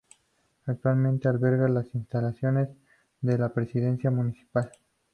Actualmente alberga las instalaciones de la Presidencia Municipal.